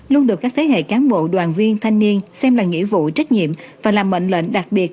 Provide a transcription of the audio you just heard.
luôn được các thế hệ cán bộ đoàn viên thanh niên xem là nghĩa vụ trách nhiệm và là mệnh lệnh đặc biệt